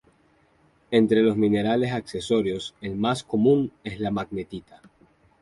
Entre los minerales accesorios el más común es la magnetita.